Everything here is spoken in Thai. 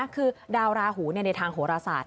คือดาวราหูในทางโหรศาสต